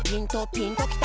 「ピンときた？」